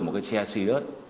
một cái xe sirius